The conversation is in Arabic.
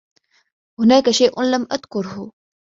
هناك شيء لم أذكره.